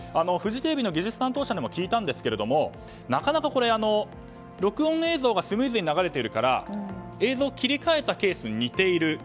フジテレビの技術担当者にも聞いたんですけれどもなかなか、録音の映像がスムーズに流れているから映像を切り替えたケースに似ている。